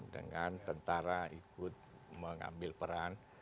dengan tentara ikut mengambil peran